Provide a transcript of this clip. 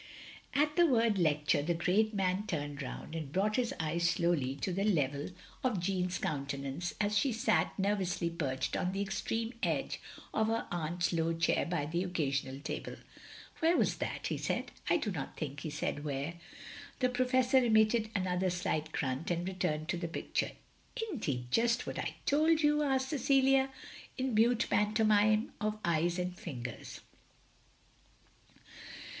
. At the word lecture, the great man turned round, and brought his eyes slowly to the level 21 6 THE LONELY LADY of Jeanne's cotintenance as she sat, nervouslj?' perched on the extreme edge of her atint's low chair by the occasional table. "Where was that?" he said. " I do not think he said where. " The Professor emitted another slight grunt, and rettimed to the picture. " Is n't he just what I told you?" asked Cecilia, in mute pantomine of eyes and fingers.